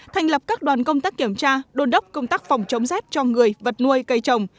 thành lập các đoàn công tác kiểm tra đôn đốc công tác phòng chống rét cho người vật nuôi cây trồng